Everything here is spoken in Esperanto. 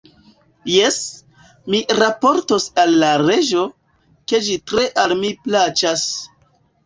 Jes, mi raportos al la reĝo, ke ĝi tre al mi plaĉas!